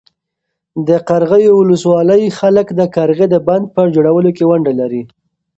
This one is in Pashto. د قرغیو ولسوالۍ خلک د قرغې د بند په جوړولو کې ونډه لري.